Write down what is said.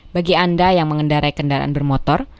bagi anda yang mengendarai kendaraan bermotor